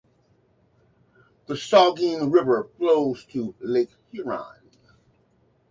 The Saugeen River flows to Lake Huron.